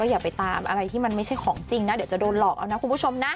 อย่าไปตามอะไรที่มันไม่ใช่ของจริงนะเดี๋ยวจะโดนหลอกเอานะคุณผู้ชมนะ